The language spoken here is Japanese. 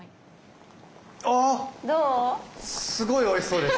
あっすごいおいしそうです。